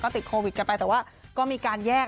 ติดโควิดกันไปแต่ว่าก็มีการแยก